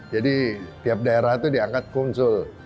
tiap daerah itu diangkat konsul